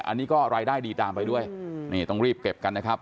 อันนี้ก็รายได้ดีตามไปด้วยนี่ต้องรีบเก็บกันนะครับ